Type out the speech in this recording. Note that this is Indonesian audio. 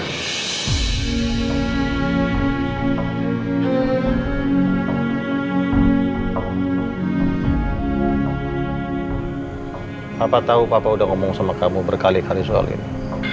kenapa tahu papa udah ngomong sama kamu berkali kali soal ini